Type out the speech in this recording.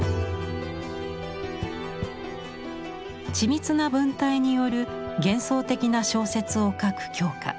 緻密な文体による幻想的な小説を書く鏡花。